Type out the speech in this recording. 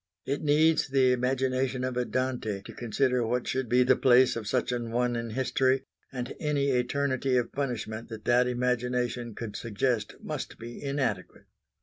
It needs the imagination of a Dante to consider what should be the place of such an one in history, and any eternity of punishment that that imagination could suggest must be inadequate.